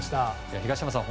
東山さん